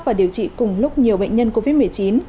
và điều trị cùng lúc nhiều bệnh nhân covid một mươi chín